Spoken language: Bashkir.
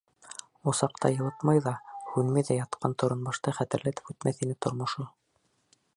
Усаҡта йылытмай ҙа, һүнмәй ҙә ятҡан торонбашты хәтерләтеп үтмәҫ ине тормошо.